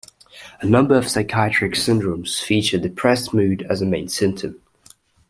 A number of psychiatric syndromes feature depressed mood as a main symptom.